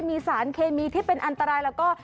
มีสารเคมีที่เป็นอันตรายแล้วก็